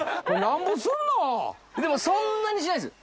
でもそんなにしないっす。